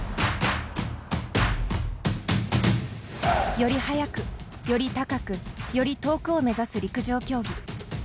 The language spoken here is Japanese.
より速く、より高くより遠くを目指す陸上競技。